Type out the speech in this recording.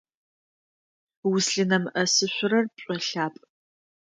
Узлъынэмыӏэсышъурэр пшӏолъапӏ.